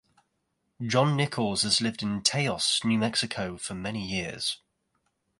John Nichols has lived in Taos, New Mexico for many years.